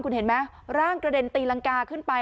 คุณเห็นไหมร่างกระเด็นตีรังกาขึ้นไป